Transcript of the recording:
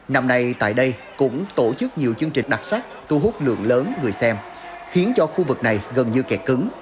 năm nay tại đây cũng tổ chức nhiều chương trình đặc sắc thu hút lượng lớn người xem khiến cho khu vực này gần như kẹt cứng